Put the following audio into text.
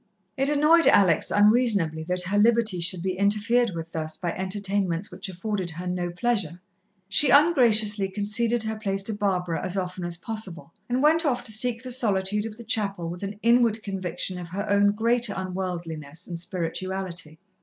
It annoyed Alex unreasonably that her liberty should be interfered with thus by entertainments which afforded her no pleasure. She ungraciously conceded her place to Barbara as often as possible, and went off to seek the solitude of the chapel with an inward conviction of her own great unworldliness and spirituality.